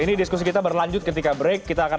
ini diskusi kita berlanjut ketika break kita akan